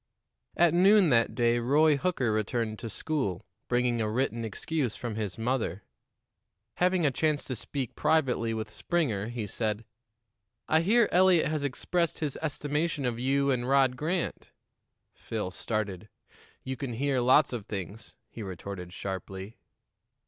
At noon that day Roy Hooker returned to school, bringing a written excuse from his mother. Having a chance to speak privately with Springer, he said: "I hear Eliot has expressed his estimation of you and Rod Grant." Phil started. "You can near lots of things," he retorted sharply.